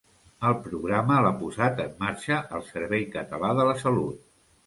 El programa l'ha posat en marxa el Servei Català de la Salut.